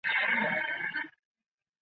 李嘉文。